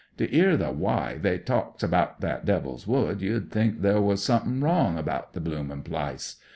To *ear the wy they talks abaht that Devil's Wood you'd think there wuz something wrong abaht the bloomin' plice.